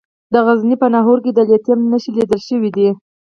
د غزني په ناهور کې د لیتیم نښې لیدل شوي دي.